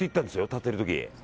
建ってる時。